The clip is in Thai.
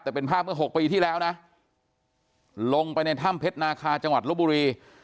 แต่เป็นภาพเมื่อ๖ปีที่แล้วนะลงไปในถ้ำเพชรนาคาจังหวัดลบบุรี